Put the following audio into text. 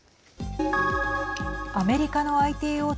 アメリカのＩＴ大手